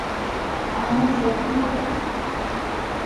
আমার নামে জয়ধ্বনি হবে না?